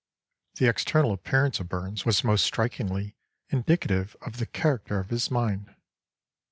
The external appearance of Burns was most strikingly indicative of the character of his mind.